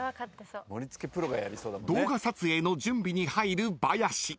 ［動画撮影の準備に入るバヤシ］